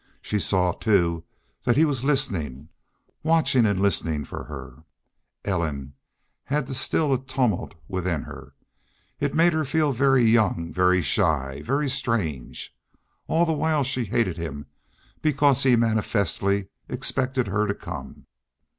She saw, too, that he was listening. Watching and listening for her! Ellen had to still a tumult within her. It made her feel very young, very shy, very strange. All the while she hated him because he manifestly expected her to come.